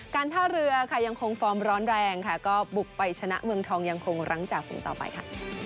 การท่าเรือค่ะยังคงฟอร์มร้อนแรงค่ะก็บุกไปชนะเมืองทองยังคงรั้งจากฝุงต่อไปค่ะ